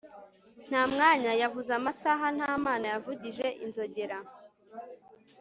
ntamwanya, yavuze amasaha, nta mana, yavugije inzogera